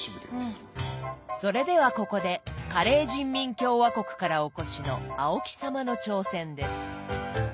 それではここでカレー人民共和国からお越しの青木様の挑戦です。